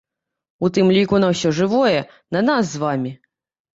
У тым ліку на ўсё жывое, на нас з вамі.